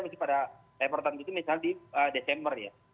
masih pada reportan gitu misalnya di desember ya